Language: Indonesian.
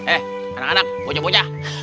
eh anak anak bocah bocah